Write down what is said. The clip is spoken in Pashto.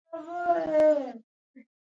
د پکتیا په وزه ځدراڼ کې د کرومایټ نښې شته.